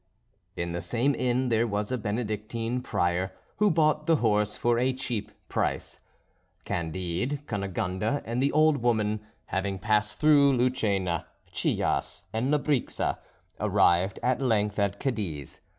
In the same inn there was a Benedictine prior who bought the horse for a cheap price. Candide, Cunegonde, and the old woman, having passed through Lucena, Chillas, and Lebrixa, arrived at length at Cadiz.